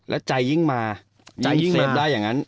แล้วใจยิ่งมาใจยิ่งเซฟได้อย่างนั้น